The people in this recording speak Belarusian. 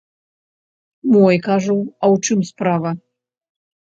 Мой, кажу, а ў чым справа?